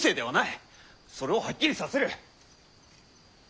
それをはっきりさせる。